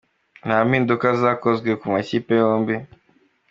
Nta mpinduka zakozwe ku makipe yombi.